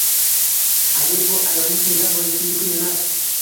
Ali bu ayolni sevgan bo`lishi mumkin emas